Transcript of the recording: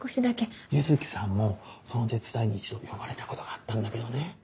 柚木さんもその手伝いに一度呼ばれたことがあったんだけどね。